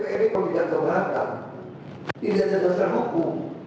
kayak pembagian yang merata lah apa itu